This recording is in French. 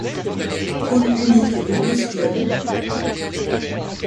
Poule unique de douze clubs.